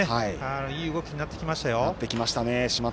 いい動きになってきましたよ。